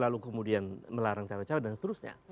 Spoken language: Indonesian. lalu kemudian melarang cawek cawek dan seterusnya